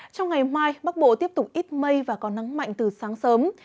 trong ngày mai bắc bộ tiếp tục ít mây và có nắng mạnh từ sáng sớm